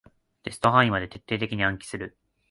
テスト範囲まで徹底的に暗記する